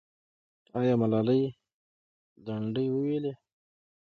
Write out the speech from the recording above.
آیا ملالۍ لنډۍ وویلې؟